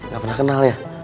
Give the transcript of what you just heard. ga pernah kenal ya